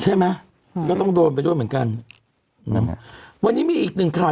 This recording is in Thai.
อ๋อใช่ไหมก็ต้องโดนประโยชน์เหมือนกันวันนี้มีอีกหนึ่งข่าว